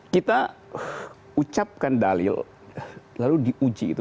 kita ucapkan dalil lalu diuji itu